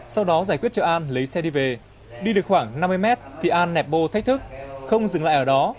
sau đó giải quyết chợ an lấy xe đi về đi được khoảng năm mươi mét thì an nẹp bô thách thức không dừng lại ở đó